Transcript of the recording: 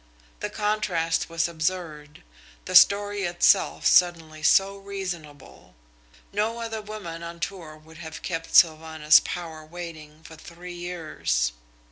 The contrast was absurd, the story itself suddenly so reasonable. No other woman on tour would have kept Sylvanus Power waiting for three years.